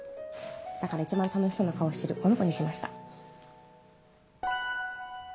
だから一番楽しそうな顔してるこの子にしました。